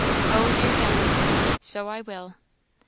"Oh, dear Alice! so I will."